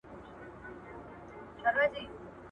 جهاد د حقانیت یو لوی ثبوت دی.